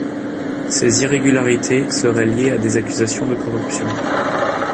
Ces irrégularités seraient liées à des accusations de corruption.